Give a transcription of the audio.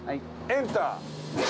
エンター。